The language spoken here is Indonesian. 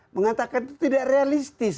mengatakan itu tidak realistis